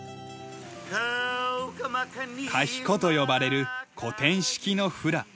カヒコと呼ばれる古典式のフラ。